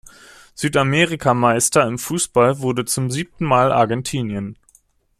Südamerika-Meister im Fußball wurde zum siebten Mal Argentinien.